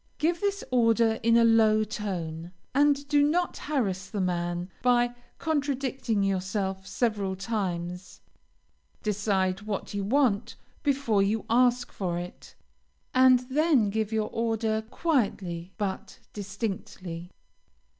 Give this order in a low tone, and do not harass the man by contradicting yourself several times; decide what you want before you ask for it, and then give your order quietly but distinctly.